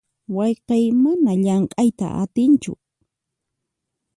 Wayqiy mana llamk'ayta atinchu.